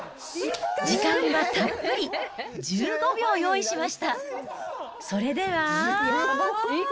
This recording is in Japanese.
時間はたっぷり、１５秒用意しました。